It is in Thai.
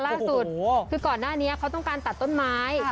ล่าสุดคือก่อนหน้านี้เขาต้องการตัดต้นไม้